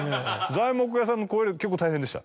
材木屋さんを超えるの結構大変でした。